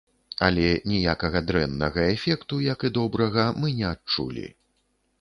Але ніякага дрэннага эфекту, як і добрага, мы не адчулі.